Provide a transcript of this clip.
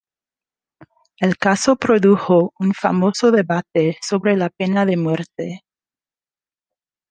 El caso produjo un famoso debate sobre la pena de muerte.